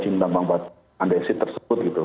itu mungkin cukup agresif buat kita khusus lulus